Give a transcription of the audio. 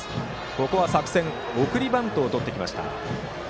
ここは作戦として送りバントをとってきました。